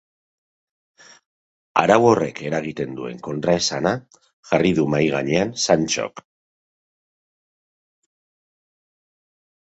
Arau horrek eragiten duen kontraesana jarri du mahai gainean Santxok.